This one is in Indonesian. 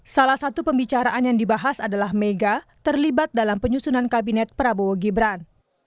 salah satu pembicaraan yang dibahas adalah mega terlibat dalam penyusunan kabinet prabowo gibran